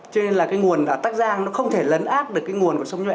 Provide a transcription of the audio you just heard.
cho nên là cái nguồn ở tắc giang nó không thể lấn áp được cái nguồn của sông nhuệ